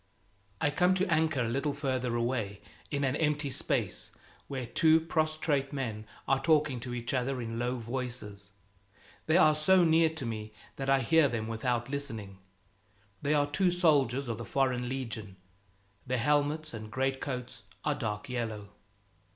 I come to anchor a little farther away, in an empty space where two prostrate men are talking to each other in low voices; they are so near to me that I hear them without listening. They are two soldiers of the Foreign Legion; their helmets and greatcoats are dark yellow.